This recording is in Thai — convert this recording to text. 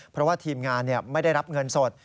เพราะว่าทีมงานไม่ได้รับเงินสด